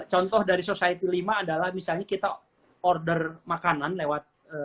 contoh dari society lima adalah misalnya kita order makanan lewat